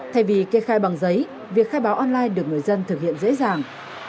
thay vì kê khai bằng giấy việc khai báo online được người dân thực hiện dễ dàng